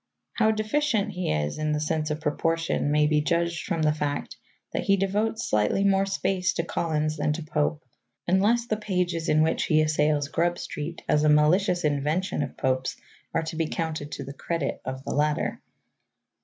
How deficient he is in the sense of proportion may be judged from the fact that he devotes slightly more space to Collins than to Pope, unless the pages in which he assails "Grub Street" as a malicious invention of Pope's are to be counted to the credit of the latter.